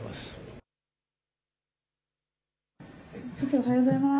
おはようございます。